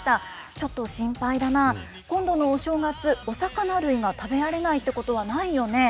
ちょっと心配だな、今度のお正月、お魚類が食べられないってことはないよね。